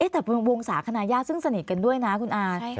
แต่วงศาขนายาซึ่งสนิทกันด้วยนะคุณอาจ